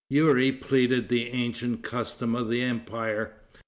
Youri pleaded the ancient custom of the empire.